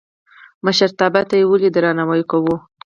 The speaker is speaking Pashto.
مشرتابه ته ولې درناوی کوو؟